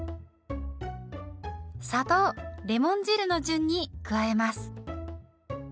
砂糖レモン汁の順に加えます。